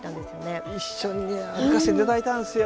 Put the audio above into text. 一緒にね歩かせていただいたんですよ。